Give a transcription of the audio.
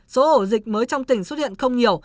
số ổ dịch mới trong tỉnh xuất hiện không nhiều